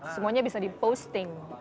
semuanya bisa di posting